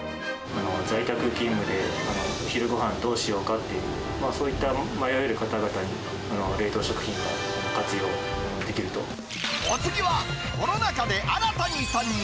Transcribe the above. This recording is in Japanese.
在宅勤務で、お昼ごはんどうしようかっていう、そういった迷える方々に、お次は、コロナ禍で新たに参入！